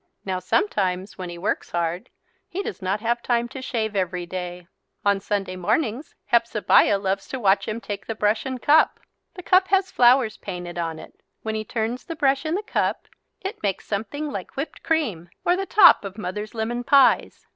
Now sometimes, when he works hard, he does not have time to shave every day. On Sunday mornings Hepzebiah loves to watch him take the brush and cup. The cup has flowers painted on it. When he turns the brush in the cup it makes something like whipped cream, or the top of mother's lemon pies.